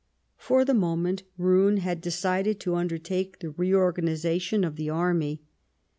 For the moment Roon had decided to undertake the reorganization of the Army.